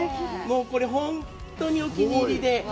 これ、本当にお気に入りで。